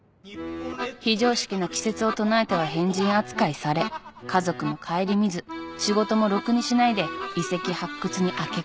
非常識な奇説を唱えては変人扱いされ家族も顧みず仕事もろくにしないで遺跡発掘に明け暮れた。